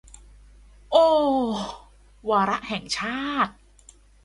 โอ้ วาระแห่งชาติ